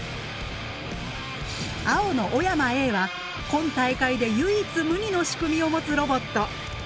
青の小山Ａは今大会で唯一無二の仕組みを持つロボット。